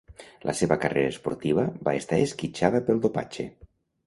La seva carrera esportiva va estar esquitxada pel dopatge.